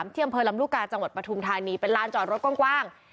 จังหวัดประทุมธานีเป็นร้านจอดรถกว้าง